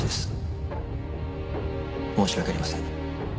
申し訳ありません